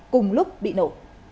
cùng lúc bị nổ